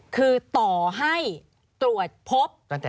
คือต่อให้ตรวจพบ